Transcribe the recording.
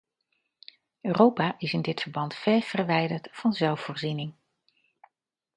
Europa is in dit verband ver verwijderd van zelfvoorziening.